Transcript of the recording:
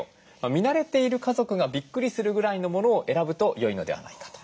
見慣れている家族がびっくりするぐらいのものを選ぶと良いのではないかと。